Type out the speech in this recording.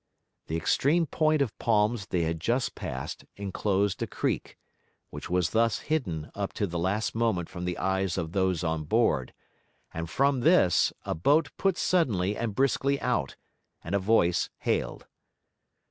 The extreme point of palms they had just passed enclosed a creek, which was thus hidden up to the last moment from the eyes of those on board; and from this, a boat put suddenly and briskly out, and a voice hailed.